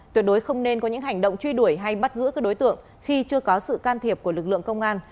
tuyệt đối không nên có những hành động truy đuổi hay bắt giữ các đối tượng khi chưa có sự can thiệp của lực lượng công an